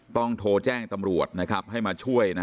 ต้องโทรแจ้งตำรวจนะครับให้มาช่วย